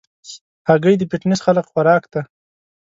هګۍ د فټنس خلکو خوراک دی.